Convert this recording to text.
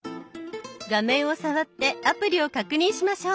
画面を触ってアプリを確認しましょう。